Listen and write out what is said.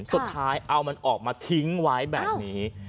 สุดท้ายเอามันออกมาทิ้งไว้แบบนี้